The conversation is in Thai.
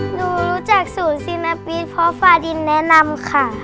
หนูรู้จักศูนย์ศิลปิศพฟาดินแนะนำค่ะ